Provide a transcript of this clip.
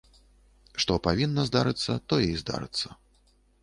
Што павінна здарыцца, тое і здарыцца.